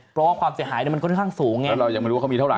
เพราะว่าความเสียหายมันค่อนข้างสูงไงแล้วเรายังไม่รู้ว่าเขามีเท่าไ